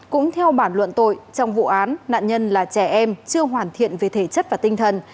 cũng theo bản luận tội trong vụ án nạn nhân là trẻ em chưa hoàn thiện về thể chất và tinh thần